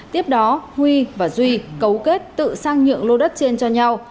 tiếp đó huy và duy cấu kết tự sang nhượng lô đất trên cho nhau